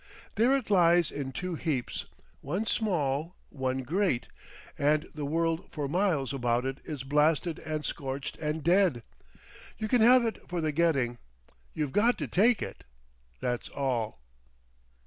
There it lies in two heaps, one small, one great, and the world for miles about it is blasted and scorched and dead. You can have it for the getting. You've got to take it—that's all!"